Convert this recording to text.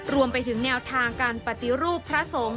รวมไปถึงแนวทางการปฏิรูปพระสงฆ์